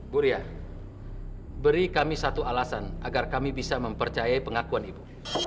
bu ria beri kami satu alasan agar kami bisa mempercayai pengakuan ibu